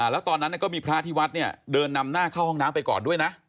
แล้วตอนนั้นก็มีพระที่วัดเนี่ยเดินนำหน้าเข้าห้องน้ำไปก่อนด้วยนะ